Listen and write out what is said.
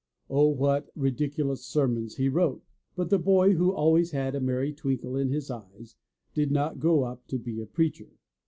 O, what ridiculous sermons he wrote! But the boy, who always had a merry twinkle in his eye, did not grow up to be a preacher.